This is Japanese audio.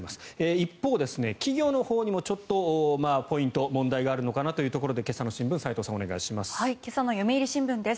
一方、企業のほうにもポイント、問題があるのかなというところを今朝の新聞斎藤さん、お願いします。今朝の読売新聞です。